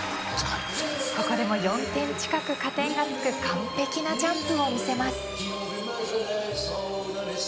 ここでも４点近く加点がつく完璧なジャンプを見せます。